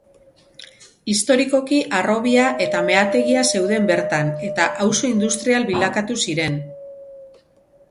Historikoki harrobia eta mehategia zeuden bertan eta auzo industrial bilakatu ziren.